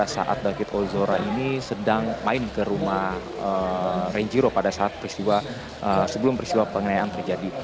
saya sedang main ke rumah renjiro pada saat sebelum peristiwa pengenai terjadi